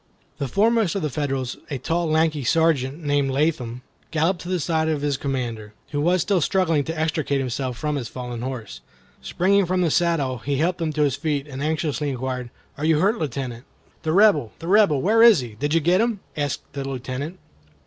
The foremost of the Federals, a tall, lanky sergeant named Latham, galloped to the side of his commander, who was still struggling to extricate himself from his fallen horse. Springing from his saddle, he helped him to his feet, and anxiously inquired, "Are you hurt, Lieutenant?" "The Rebel, the Rebel, where is he? Did you get him?" asked the Lieutenant.